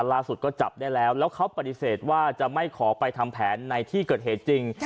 ล่าสุดก็จับได้แล้วแล้วเขาปฏิเสธว่าจะไม่ขอไปทำแผนในที่เกิดเหตุจริง